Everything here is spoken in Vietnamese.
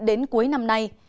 đến cuối năm nay